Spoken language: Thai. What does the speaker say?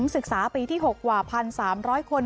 ศึกษาปีที่๖กว่า๑๓๐๐คน